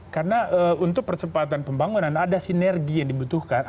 karena untuk percepatan pembangunan ada sinergi yang dibutuhkan